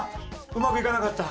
うまくいかなかった」。